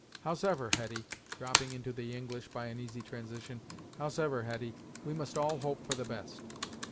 Howsever, Hetty," dropping into the English by an easy transition, "howsever, Hetty, we must all hope for the best.